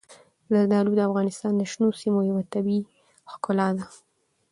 زردالو د افغانستان د شنو سیمو یوه طبیعي ښکلا ده.